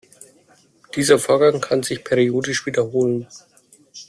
Dieser Vorgang kann sich periodisch wiederholen.